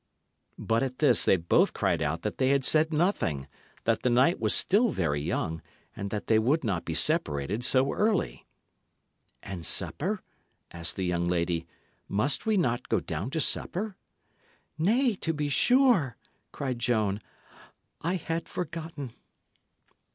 But at this they both cried out that they had said nothing, that the night was still very young, and that they would not be separated so early. "And supper?" asked the young lady. "Must we not go down to supper?" "Nay, to be sure!" cried Joan. "I had forgotten."